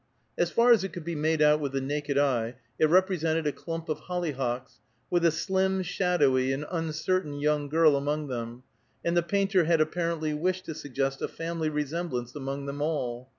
As far as it could be made out with the naked eye, it represented a clump of hollyhocks, with a slim, shadowy and uncertain young girl among them, and the painter had apparently wished to suggest a family, resemblance among them all.